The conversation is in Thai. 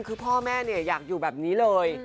คือพ่อแม่อยากอยู่แบบนี้เลย